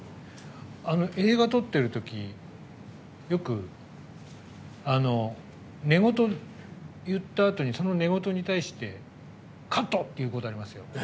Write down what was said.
映画撮ってる時よく、寝言を言ったあとにその寝言に対して「カット！」って言うことありますよ。